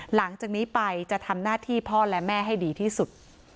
หลังจากนี้ไปจะทำหน้าที่พ่อและแม่ให้ดีที่สุด